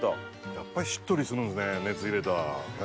やっぱりしっとりするんですね熱入れたら。